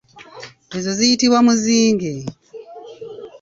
Ezo ziyitibwa muzinge.